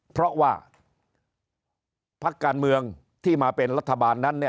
เพราะว่าพักการเมืองที่มาเป็นรัฐบาลนั้น